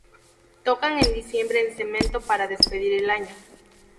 Tocan en diciembre en Cemento para despedir el año.